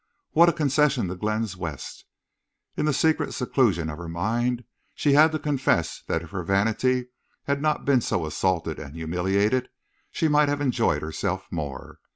What a concession to Glenn's West! In the secret seclusion of her mind she had to confess that if her vanity had not been so assaulted and humiliated she might have enjoyed herself more.